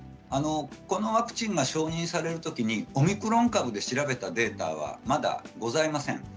このワクチンが承認されるときにオミクロン株で調べたデータはまだございません。